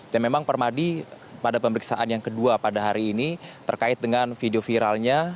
dan memang permadi pada pemeriksaan yang kedua pada hari ini terkait dengan video viralnya